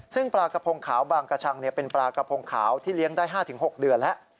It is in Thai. ซึ่งปลากระพงขาวบางกระชังเป็นปลากระพงขาวที่เลี้ยงได้๕๖เดือนแล้ว